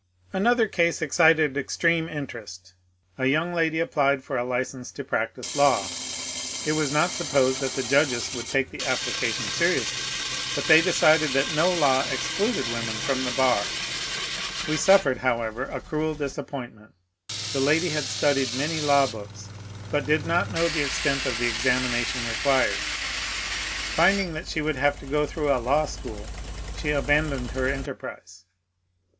Another case excited extreme interest A young lady applied for a license to practise law. It was not supposed that the judges would take the application seri ously, but they decided that no law excluded women from the bar. We su£Fered, however, a cruel disappointment. The lady had studied many law books, but did not know the extent of. the examination required. Finding that she would have to go through a law school, she abandoned her enterprise.